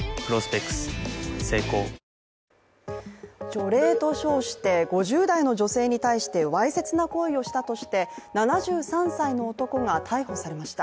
除霊と称して５０代の女性に対してわいせつな行為をしたとして７３歳の男が逮捕されました。